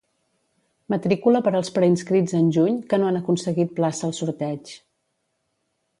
Matrícula per als preinscrits en juny que no han aconseguit plaça al sorteig.